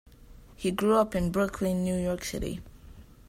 He grew up in Brooklyn, New York City.